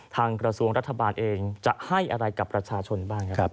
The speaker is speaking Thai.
กระทรวงรัฐบาลเองจะให้อะไรกับประชาชนบ้างครับ